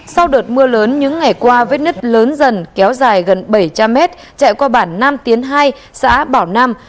sau đợt mưa lớn những ngày qua vết nứt lớn dần kéo dài gần bảy trăm linh mét chạy qua bản nam tiến hai xã bảo nam